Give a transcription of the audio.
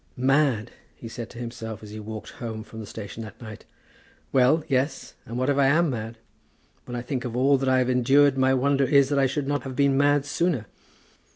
"Mad!" he said to himself, as he walked home from the station that night. "Well; yes; and what if I am mad? When I think of all that I have endured my wonder is that I should not have been mad sooner."